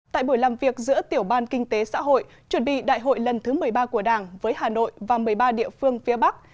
tại buổi làm việc giữa tiểu ban kinh tế xã hội chuẩn bị đại hội lần thứ một mươi ba của đảng với hà nội và một mươi ba địa phương phía bắc